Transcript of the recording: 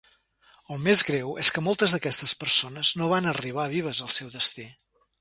El més greu és que moltes d'aquestes persones no van arribar vives al seu destí.